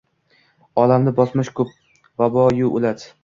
Olamni bosmish ko’p vaboyu o’lat